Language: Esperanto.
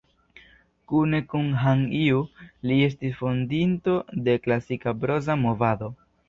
Kune kun Han Ju, li estis fondinto de la Klasika Proza Movado.